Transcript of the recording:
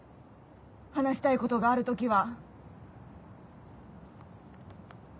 話したいことがある時は。